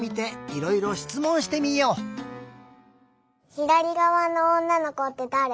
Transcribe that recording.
ひだりがわのおんなのこってだれ？